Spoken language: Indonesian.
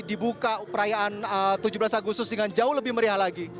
dibuka perayaan tujuh belas agustus dengan jauh lebih meriah lagi